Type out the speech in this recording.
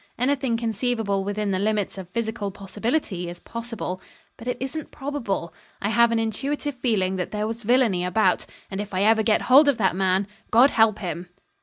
"Anything conceivable within the limits of physical possibility is possible. But it isn't probable. I have an intuitive feeling that there was villainy about and if ever I get hold of that man God help him!"